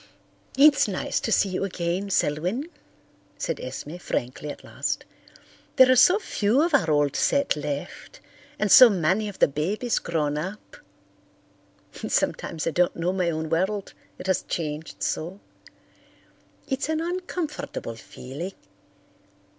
"It's nice to see you again, Selwyn," said Esme frankly at last. "There are so few of our old set left, and so many of the babies grown up. Sometimes I don't know my own world, it has changed so. It's an uncomfortable feeling.